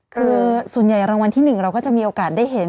คือส่วนใหญ่รางวัลที่๑เราก็จะมีโอกาสได้เห็น